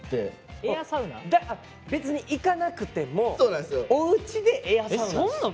別に行かなくてもおうちでエアサウナ。